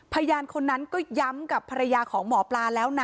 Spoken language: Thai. พยานคนนั้นก็ย้ำกับภรรยาของหมอปลาแล้วนะ